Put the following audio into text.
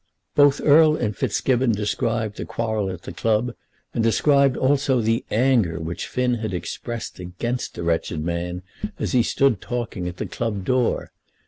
Both Erle and Fitzgibbon described the quarrel at the club, and described also the anger which Finn had expressed against the wretched man as he stood talking at the club door.